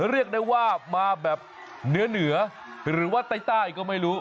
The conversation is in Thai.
เรียกได้ว่ามาแบบเหนือเหนือหรือว่าใต้ก็ไม่รู้